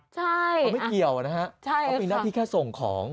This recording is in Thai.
ใช่ใช่ครับเขาไม่เกี่ยวนะฮะเขาเป็นนักที่แค่ส่งของ